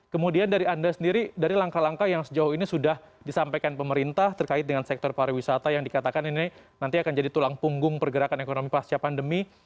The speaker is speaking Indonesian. kemudian dari anda sendiri dari langkah langkah yang sejauh ini sudah disampaikan pemerintah terkait dengan sektor pariwisata yang dikatakan ini nanti akan jadi tulang punggung pergerakan ekonomi pasca pandemi